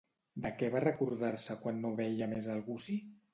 De què va recordar-se quan no veia més el gussi?